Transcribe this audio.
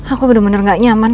aku bener bener gak nyaman